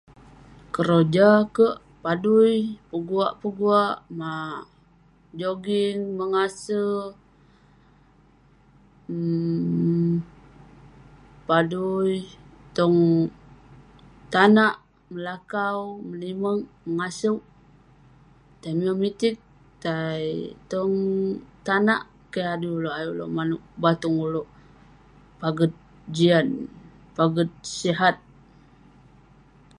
Keroja kek, padui, peguak-peguak, mah joging, mengase, um padui tong tanak, melakau, menimeg, mengasouk, tai memitig, tai tong tanak. Keh adui ulouk ayuk ulouk manouk batung ulouk paget jian, paget sihat.